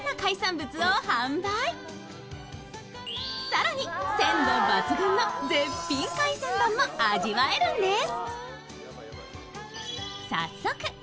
更に、鮮度抜群の絶品海鮮丼も味わえるんです。